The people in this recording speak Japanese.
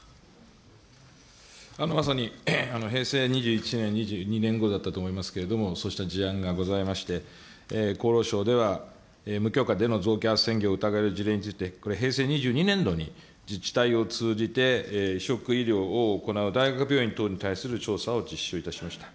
まさに平成２１年、２２年ごろだったと思いますけれども、そうした事案がございまして、厚労省では、無許可での臓器あっせん業が疑われる事例について、これ平成２２年度に自治体を通じて移植医療を行う大学病院等に対する調査を実施をいたしました。